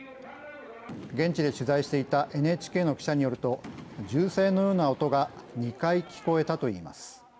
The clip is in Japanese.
現地で取材していたＮＨＫの記者によると銃声のような音が２回聞こえたといいます。